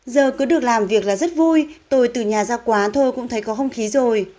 giờ cứ được làm việc là rất vui tôi từ nhà ra quá thôi cũng thấy có không khí rồi